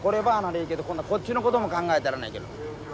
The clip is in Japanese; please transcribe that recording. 今度こっちのことも考えたらないけん。